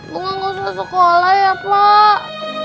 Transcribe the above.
bunga gak usah sekolah ya pak